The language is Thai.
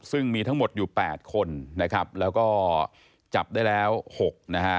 ซึ่งมีทั้งหมดอยู่๘คนนะครับแล้วก็จับได้แล้ว๖นะฮะ